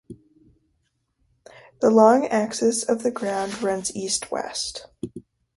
The long axis of the ground runs east-west.